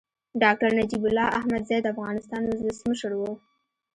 ډاکټر نجيب الله احمدزی د افغانستان ولسمشر و.